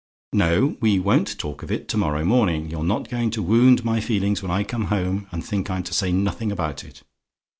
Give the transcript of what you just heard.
"No: we won't talk of it to morrow morning. You're not going to wound my feelings when I come home, and think I'm to say nothing about it.